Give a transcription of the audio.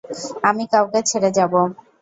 আমি কাউকে ছেড়ে যাবো।